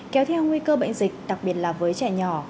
kéo theo nguy cơ bệnh dịch đặc biệt là với trẻ nhỏ